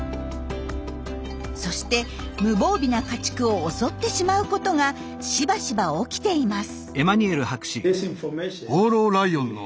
そして無防備な家畜を襲ってしまうことがしばしば起きています。